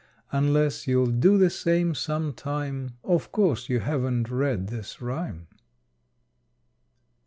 Unless you'll do the same some time, Of course you haven't read this rime.